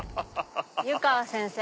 「湯川先生？」